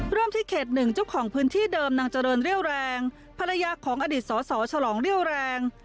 ที่เขต๑เจ้าของพื้นที่เดิมนางเจริญเรี่ยวแรงภรรยาของอดีตสสฉลองเรี่ยวแรง